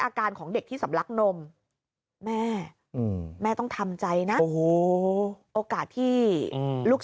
อาการของเด็กที่สำลักนมแม่แม่ต้องทำใจนะโอ้โหโอกาสที่ลูก